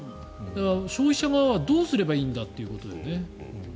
消費者側はどうすればいいんだということだよね。